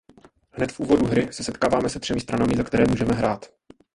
Hned v úvodu hry se setkáváme se třemi stranami za které můžeme hrát.